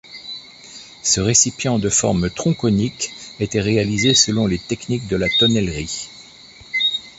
Ce récipient de forme tronconique était réalisé selon les techniques de la tonnellerie.